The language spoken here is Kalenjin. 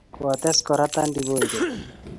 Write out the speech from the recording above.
Kotes Kora tandiboi kole